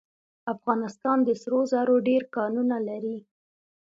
افغانستان د سرو زرو ډیر کانونه لري.